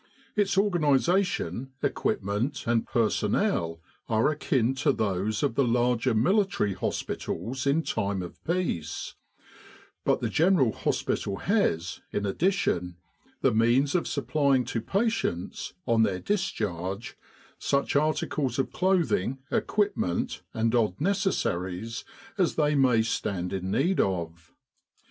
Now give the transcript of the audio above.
Its organisation, equipment, and personnel are akin to those of the larger military hospitals in time of peace; but the General Hospital has, in addition, the means of supplying to patients, on their discharge, such articles of clothing, equipment, and odd necessaries as they may stand in need of.